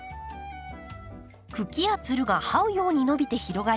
茎やつるがはうように伸びて広がり